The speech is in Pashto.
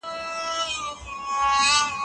هغه تل له خپلو شاګردانو څخه ملاتړ کوي.